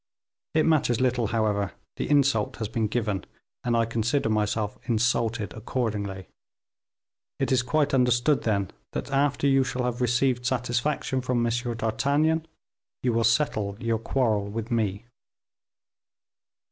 It matters little, however, the insult has been given, and I consider myself insulted accordingly. It is quite understood, then, that after you shall have received satisfaction from M. d'Artagnan, you will settle your quarrel with me."